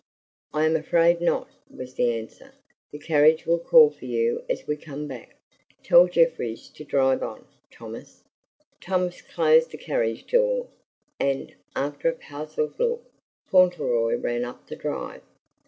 "I am afraid not," was the answer. "The carriage will call for you as we come back. Tell Jeffries to drive on, Thomas." Thomas closed the carriage door; and, after a puzzled look, Fauntleroy ran up the drive.